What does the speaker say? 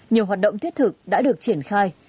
nhiều hoạt động thiết thực đã được triển khai